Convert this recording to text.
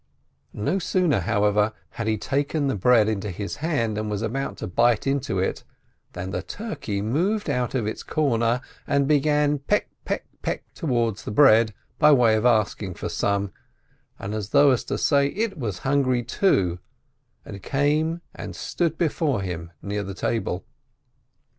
No sooner, however, had he taken the bread into his hand, and was about to bite into it, than the turkey moved out of its corner, and began peck, peck, peck, towards the bread, by way of asking for some, and as though to say it was hungry, too, and came and stood before him near the table.